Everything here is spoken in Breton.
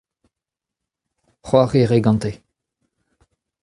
c'hoari a rae gante.